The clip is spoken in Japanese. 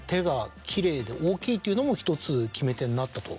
っていうのも１つ決め手になったと。